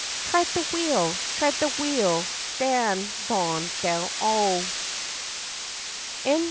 Tread the wheel, tread the wheel, dan, don, dell O.